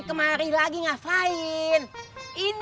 kemari lagi ngapain